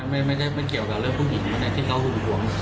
มันไม่เกี่ยวกับเรื่องผู้หญิงแต่ที่เขาหุ่นหวง